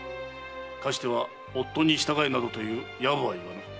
嫁しては夫に従えなどという野暮は言わぬ。